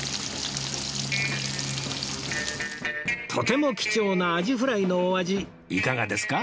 とても貴重なアジフライのお味いかがですか？